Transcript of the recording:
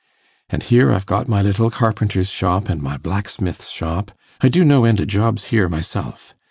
An' here I've got my little carpenter's shop an' my blacksmith's shop; I do no end o' jobs here myself.